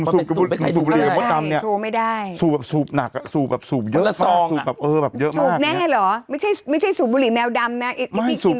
ไม่คิดว่าเป็นสูบกะบุหรี่หรือแมวดำ